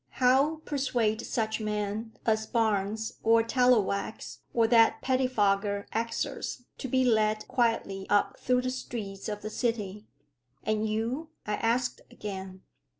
how persuade such men as Barnes, or Tallowax, or that pettifogger Exors, to be led quietly up through the streets of the city? "And you?" I asked again.